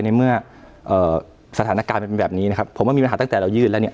ในเมื่อสถานการณ์มันเป็นแบบนี้นะครับผมว่ามีปัญหาตั้งแต่เรายื่นแล้วเนี่ย